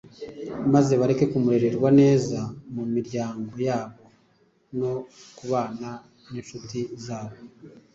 maze bareka kumererwa neza mu miryango yabo no kubana n’incuti zabo,